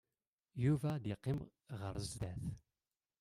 Yuba ad yeqqim ɣer sdat.